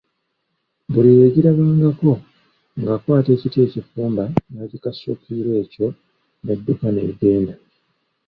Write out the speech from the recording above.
Buli eyagirabangako ng’akwata ekiti ekifumba nagikasukira ekyo nedduka negenda.